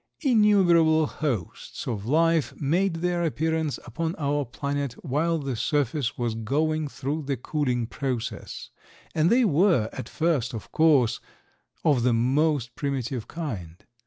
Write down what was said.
Innumerable hosts of life made their appearance upon our planet while the surface was going through the cooling process, and they were, at first, of course, of the most primitive kind.